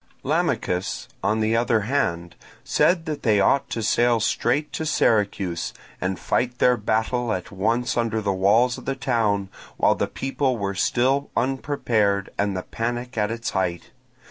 Lamachus, on the other hand, said that they ought to sail straight to Syracuse, and fight their battle at once under the walls of the town while the people were still unprepared, and the panic at its height.